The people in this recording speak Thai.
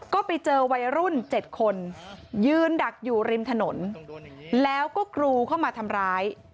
ก็ไปเจอวัยรุ่น๗คนยืนดักอยู่ริมถนนแล้วก็กรูเข้ามาทำร้าย